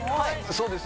そうです